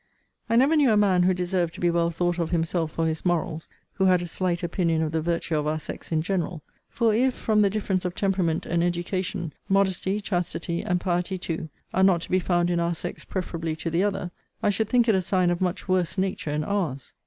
I never knew a man who deserved to be well thought of himself for his morals, who had a slight opinion of the virtue of our sex in general. For if, from the difference of temperament and education, modesty, chastity, and piety too, are not to be found in our sex preferably to the other, I should think it a sign of much worse nature in ours.